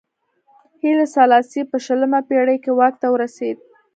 هیلي سلاسي په شلمه پېړۍ کې واک ته ورسېد.